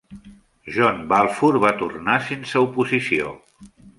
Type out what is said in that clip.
John Balfour va tornar sense oposició.